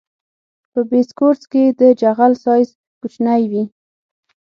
په بیس کورس کې د جغل سایز کوچنی وي